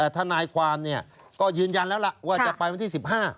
ทนายความก็ยืนยันแล้วล่ะว่าจะไปวันที่๑๕